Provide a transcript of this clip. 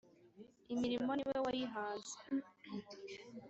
imirimo ni we wayihanze